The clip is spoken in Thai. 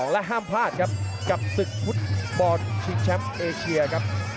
และห้ามพลาดครับกับศึกฟุตบอลชิงแชมป์เอเชียครับ